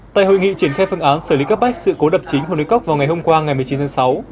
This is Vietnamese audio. tại hội nghị triển khai phương án xử lý cấp bách sự cố đập chính hồ núi cốc vào ngày hôm qua ngày một mươi chín tháng sáu